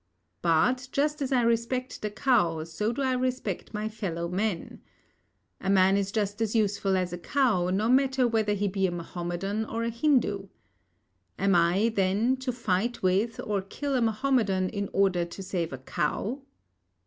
But, just as I respect the cow so do I respect my fellow men. A man is just as useful as a cow, no matter whether he be a Mahomedan or a Hindu. Am I, then, to fight with or kill a Mahomedan in order to save a cow?